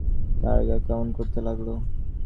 তার গা কেমন করতে লাগল।